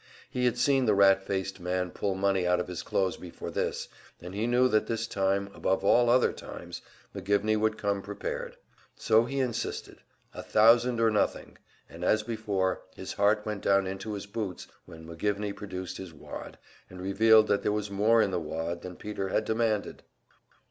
He had seen the rat faced man pull money out of his clothes before this, and he knew that this time, above all other times, McGivney would come prepared. So he insisted a thousand or nothing; and as before, his heart went down into his boots when McGivney produced his wad, and revealed that there was more in the wad than Peter had demanded!